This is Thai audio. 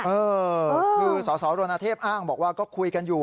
เออคือสสรณเทพอ้างบอกว่าก็คุยกันอยู่